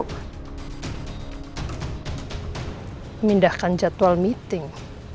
pemindahkan jadwal meeting